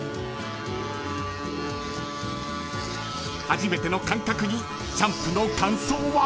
［初めての感覚にチャンプの感想は？］